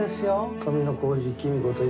富小路公子というのは。